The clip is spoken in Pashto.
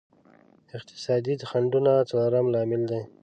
اقتصادي خنډونه څلورم لامل دی.